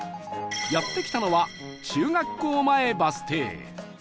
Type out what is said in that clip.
やって来たのは中学校前バス停